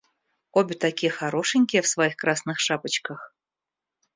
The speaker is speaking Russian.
Обе такие хорошенькие в своих красных шапочках.